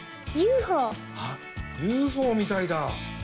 あっＵＦＯみたいだ。